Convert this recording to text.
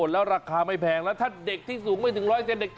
แล้วราคาไม่แพงแล้วถ้าเด็กที่สูงไม่ถึง๑๐๐เซนเด็ก